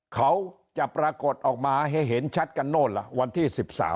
เขาจะปรากฏออกมาให้เห็นชัดกันโน่นล่ะวันที่๑๓